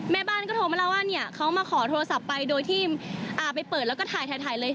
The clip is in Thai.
แม่บ้านก็โทรมาแล้วว่าเนี่ยเขามาขอโทรศัพท์ไปโดยที่ไปเปิดแล้วก็ถ่ายถ่ายเลย